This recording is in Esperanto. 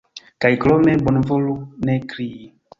Kaj krome, bonvolu ne krii.